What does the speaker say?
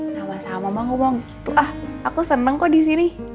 sama sama mbak ngomong gitu ah aku seneng kok disini